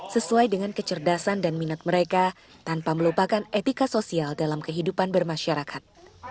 sesuai dengan kecerdasan dan minat mereka tanpa melupakan etika sosial dalam kehidupan bermasyarakat